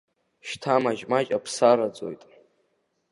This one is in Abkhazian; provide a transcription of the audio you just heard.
Шьҭа маҷ-маҷ аԥсы араӡоит.